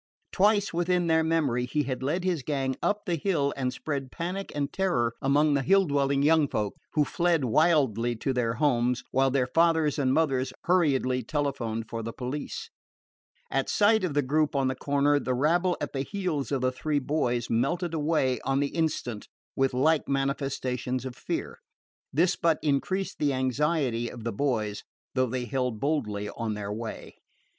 Twice within their memory he had led his gang up the Hill and spread panic and terror among the Hill dwelling young folk, who fled wildly to their homes, while their fathers and mothers hurriedly telephoned for the police. At sight of the group on the corner, the rabble at the heels of the three boys melted away on the instant with like manifestations of fear. This but increased the anxiety of the boys, though they held boldly on their way.